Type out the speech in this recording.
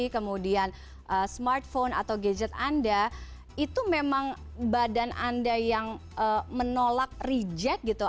kemudian smartphone atau gadget anda itu memang badan anda yang menolak reject gitu